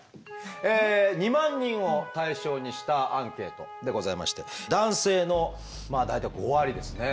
２万人を対象にしたアンケートでございまして男性の大体５割ですね